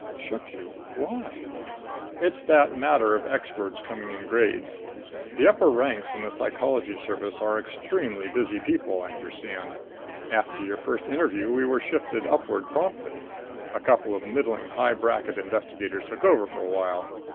"Shook you? Why?" "It's that matter of experts coming in grades. The upper ranks in the Psychology Service are extremely busy people, I understand. After your first interview we were shifted upward promptly. A couple of middling high bracket investigators took over for a while.